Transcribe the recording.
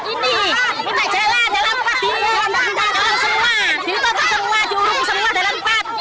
ini ini jalan jalan empat ini jalan empat jalan semua jalan semua jalan empat